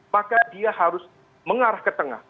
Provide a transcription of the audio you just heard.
maka dia harus mengarah ke tengah